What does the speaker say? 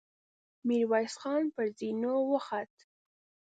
ميرويس خان پر زينو وخوت.